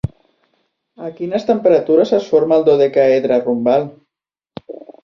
A quines temperatures es forma el dodecaedre rombal?